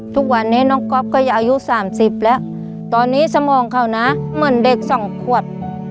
ทุกวันนี้น้องก๊อฟก็จะอายุ๓๐แล้วตอนนี้สมองเขานะเหมือนเด็กสองขวบ